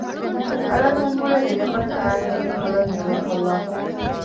އަޅަން ގެންގުޅޭ ރޭބަން އައިނު އިނީ ބޮލަށް ހެޔޮވަރުކޮށްލާފަ